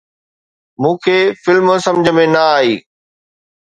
مون کي فلم سمجھ ۾ نه آئي